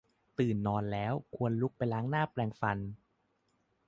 ตื่นนอนแล้ว ควรลุกไปล้างหน้าแปรงฟัน